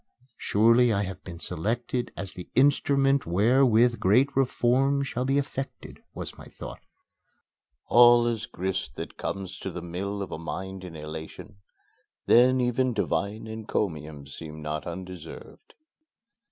"Surely, I have been selected as the instrument wherewith great reforms shall be effected," was my thought. (All is grist that comes to the mill of a mind in elation then even divine encomiums seem not undeserved.)